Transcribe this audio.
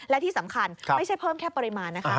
และที่สำคัญไม่ใช่เพิ่มแค่ปริมาณนะคะ